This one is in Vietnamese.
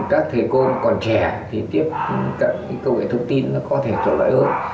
các thầy cô còn trẻ thì tiếp cận cái công nghệ thông tin nó có thể thuận lợi hơn